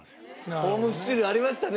ホームスチールありましたね。